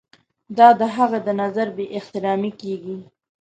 دا د هغه د نظر بې احترامي کیږي.